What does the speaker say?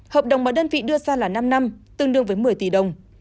hợp đồng mà đơn vị đưa ra là năm năm tương đương với một mươi tỷ đồng